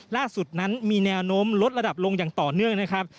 ล่าสุดนั้นมีแนวโน้มลดระดับลงอย่างต่อเนื่องนะครับ